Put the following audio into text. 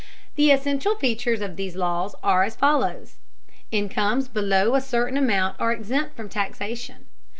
The essential features of these laws are as follows. Incomes below a certain amount are exempt from taxation.